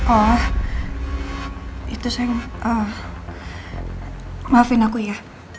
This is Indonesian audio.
oh itu saya maafin aku ya